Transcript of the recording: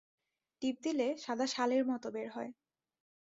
টিপ দিলে সাদা শালের মত বের হয়।